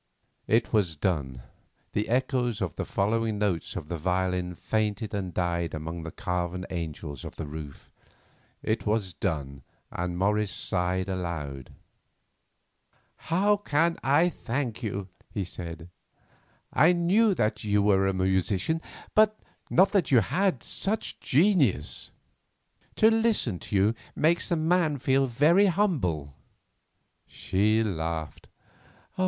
It was done; the echoes of the following notes of the violin fainted and died among the carven angels of the roof. It was done, and Morris sighed aloud. "How can I thank you?" he said. "I knew that you were a musician, but not that you had such genius. To listen to you makes a man feel very humble." She laughed.